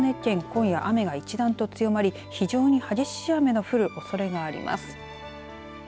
今夜、雨が一段と強まり非常に激しい雨の降るおそれがあります。